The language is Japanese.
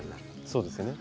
そうですよね。